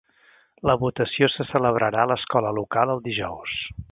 La votació se celebrarà a l'escola local el dijous.